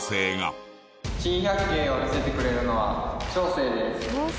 珍百景を見せてくれるのは将成です。